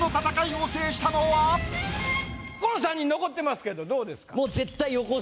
この３人残ってますけどどうですか？